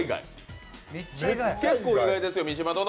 結構意外ですよ。